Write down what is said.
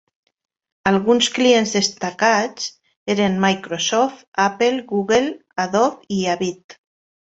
Alguns clients destacats eren Microsoft, Apple, Google, Adobe i Avid.